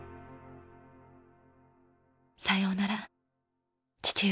さようなら父上。